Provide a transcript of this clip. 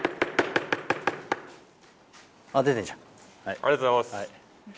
ありがとうございます。